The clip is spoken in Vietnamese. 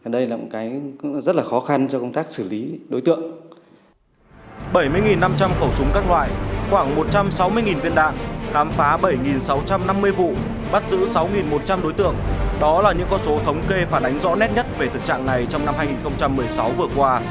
đó là những con số thống kê phản ánh rõ nét nhất về tình trạng này trong năm hai nghìn một mươi sáu vừa qua